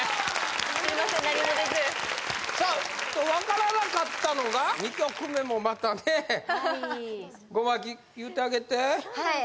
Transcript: すいません何も出ずさあ分からなかったのが２曲目もまたねはいゴマキ言うてあげてはい